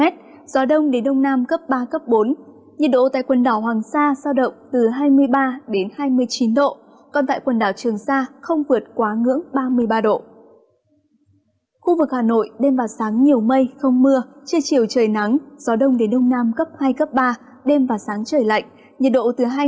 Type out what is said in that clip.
trời lạnh nhiệt độ từ hai mươi hai đến ba mươi độ